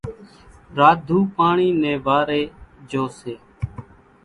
راڌُو پاڻِي نيَ واريَ جھو سي۔